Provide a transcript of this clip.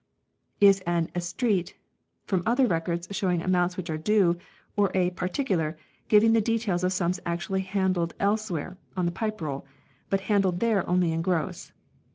is an "Estreat" from other Records showing amounts which are due, or a " Particular " giving the details of sums actually handled elsewhere (on the Pipe Roll) but handled there only in gross.